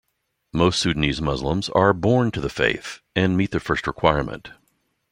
Most Sudanese Muslims are born to the faith and meet the first requirement.